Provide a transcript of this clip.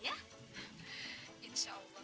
yaudah yuk assalamualaikum